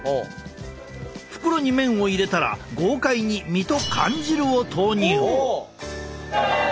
袋に麺を入れたら豪快に身と缶汁を投入！